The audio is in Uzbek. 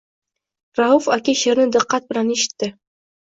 Rauf aka she’rni diqqat bilan eshitdi.